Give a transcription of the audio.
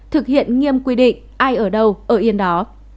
thực hiện nghiêm quy định ai ở đâu ở yên đó